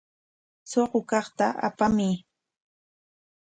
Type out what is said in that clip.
Suqu kaqta apamuy.